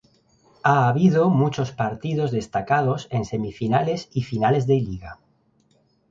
Ha habido muchos partidos destacados en semifinales y finales de liga.